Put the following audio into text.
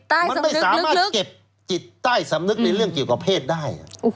มันไม่สามารถเก็บจิตใต้สำนึกในเรื่องเกี่ยวกับเพศได้